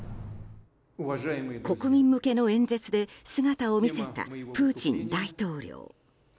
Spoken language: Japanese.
国民向けの演説で姿を見せたプーチン大統領。